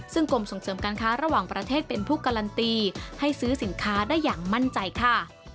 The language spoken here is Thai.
ซึ่งกรมส่งเสริมการค้าระหว่างประเทศเป็นผู้การันตีให้ซื้อสินค้าได้อย่างมั่นใจค่ะ